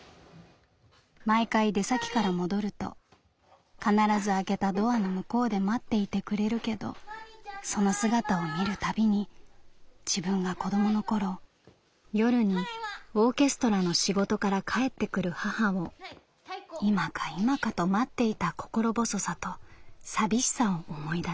「毎回出先から戻ると必ず開けたドアの向こうで待っていてくれるけどその姿を見るたびに自分が子供の頃夜にオーケストラの仕事から帰ってくる母を今か今かと待っていた心細さと寂しさを思い出す」。